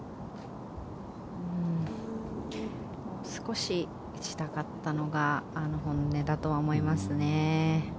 もう少し打ちたかったのが本音だと思いますね。